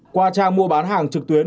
qua trang mua bán hàng trực tuyến